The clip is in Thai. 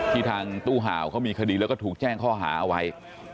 ทางตู้ห่าวเขามีคดีแล้วก็ถูกแจ้งข้อหาเอาไว้